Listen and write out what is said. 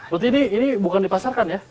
berarti ini bukan dipasarkan ya